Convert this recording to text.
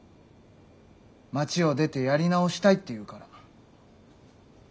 街を出てやり直したいって言うから。